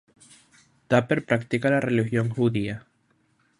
Tapper practica la religión judía.